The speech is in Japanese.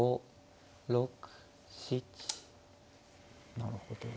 なるほど。